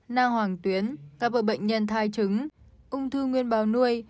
nang hoàng tuyến các bệnh nhân thai trứng ung thư nguyên bào nuôi